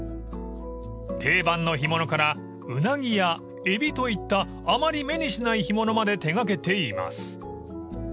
［定番の干物からウナギやエビといったあまり目にしない干物まで手掛けています］